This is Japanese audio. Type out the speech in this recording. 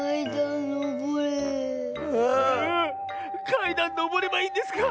かいだんのぼればいいんですか？